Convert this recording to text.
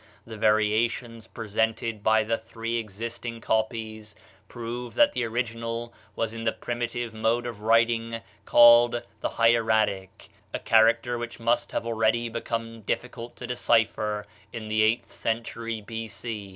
The variations presented by the three existing copies prove that the original was in the primitive mode of writing called the hieratic, a character which must have already become difficult to decipher in the eighth century B.C.